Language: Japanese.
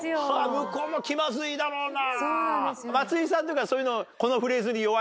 向こうも気まずいだろうな。